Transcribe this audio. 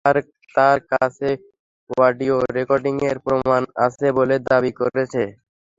তার কাছে অডিয়ো রেকর্ডিংয়ের প্রমাণ আছে বলে দাবি করছে।